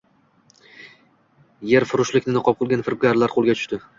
Yerfurushlikni niqob qilgan firibgarlar qo‘lga tushdi